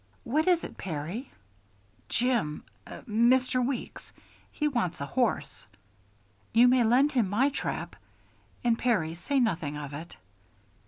"What is it, Perry?" "Jim Mr. Weeks. He wants a horse." "You may lend him my trap And, Perry, say nothing of it."